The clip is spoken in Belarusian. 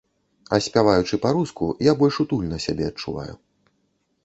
А спяваючы па-руску, я больш утульна сябе адчуваю.